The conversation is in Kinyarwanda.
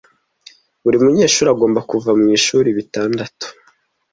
Buri munyeshuri agomba kuva mu ishuri bitandatu.